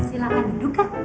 silahkan duduk kak